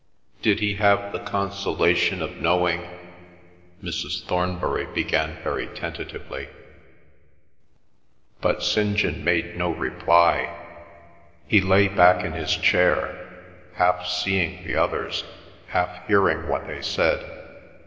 "Did he have the consolation of knowing—?" Mrs. Thornbury began very tentatively. But St. John made no reply. He lay back in his chair, half seeing the others, half hearing what they said.